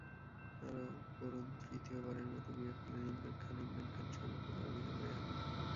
আরও পড়ুনতৃতীয়বারের মতো বিয়ে করলেন ইমরান খানইমরান খান সমকামী, অভিযোগ রেহামের